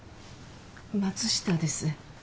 松下です。